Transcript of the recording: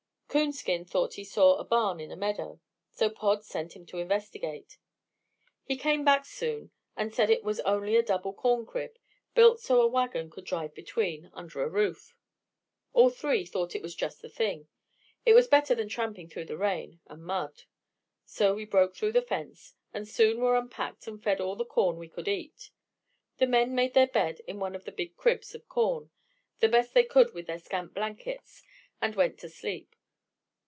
Coonskin thought he saw a barn in a meadow, so Pod sent him to investigate. He came back soon and said it was only a double corn crib, built so a wagon could drive between, under a roof. All three thought it was just the thing; it was better than tramping through rain and mud. So we broke through the fence, and soon were unpacked and fed all the corn we could eat. The men made their bed in one of the big cribs of corn, the best they could with their scant blankets, and went to sleep.